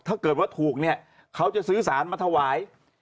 ถ้าเกิดว่าถูกเนี่ยเขาจะซื้อสารมาถวาย